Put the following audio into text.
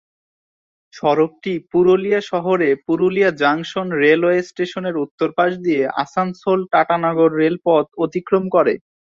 সড়কটি পুরুলিয়া শহরে Purulia junction railway স্টেশনের উত্তর পাশ দিয়ে আসানসোল-টাটানগর রেলপথ অতিক্রম করে।